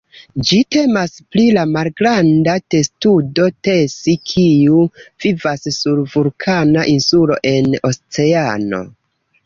Ĝi temas pri la malgranda testudo "Tesi", kiu vivas sur vulkana insulo en oceano.